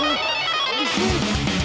bang harus kuat bang